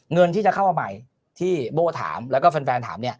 เงินที่จะเข้ามาใหม่ที่โบ้ถามแล้วก็แฟนถามเนี่ย